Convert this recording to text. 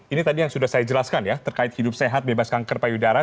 ini tadi yang sudah saya jelaskan ya terkait hidup sehat bebas kanker payudara